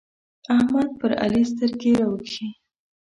احمد پر علي سترګې راوکښې.